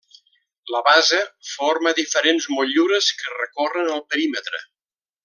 La base forma diferents motllures que recorren el perímetre.